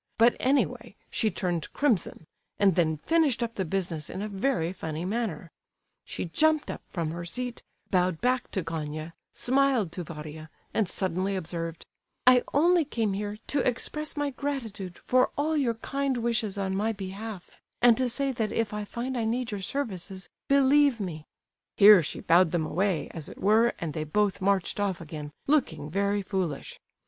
But anyway, she turned crimson, and then finished up the business in a very funny manner. She jumped up from her seat, bowed back to Gania, smiled to Varia, and suddenly observed: 'I only came here to express my gratitude for all your kind wishes on my behalf, and to say that if I find I need your services, believe me—' Here she bowed them away, as it were, and they both marched off again, looking very foolish.